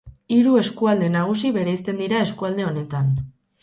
Hiru eskualde nagusi bereizten dira eskualde honetan.